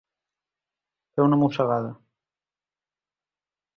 Fer una mossegada.